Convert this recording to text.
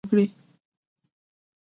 ماشومان باید پوښتنې وکړي.